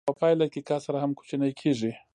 په پایله کې کسر هم کوچنی کېږي